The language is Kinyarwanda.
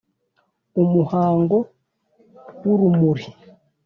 umuhango w'urumuri,